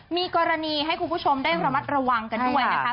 มีกรณีให้คุณผู้ชมได้ระมัดระวังกันด้วยนะคะ